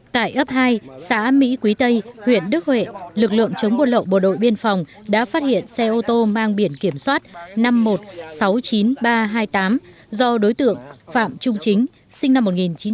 tại ấp hai xã mỹ quý tây huyện đức huệ lực lượng chống buôn lậu bộ đội biên phòng đã phát hiện xe ô tô mang biển kiểm soát năm mươi một sáu mươi chín nghìn ba trăm hai mươi tám do đối tượng phạm trung chính sinh năm một nghìn chín trăm tám mươi